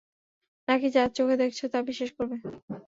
নাকি যা চোখে দেখেছ তা বিশ্বাস করবে?